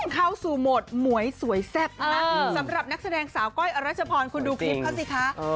เข้าสู่โหมดหมวยสวยแซ่บนะสำหรับนักแสดงสาวก้อยอรัชพรคุณดูคลิปเขาสิคะ